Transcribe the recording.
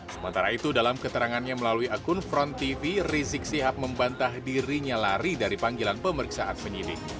sementara itu dalam keterangannya melalui akun front tv rizik sihab membantah dirinya lari dari panggilan pemeriksaan penyidik